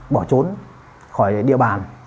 bỏ trốn khỏi địa bàn